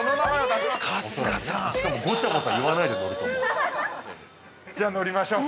しかも、ごちゃごちゃ言わないで乗ると思う。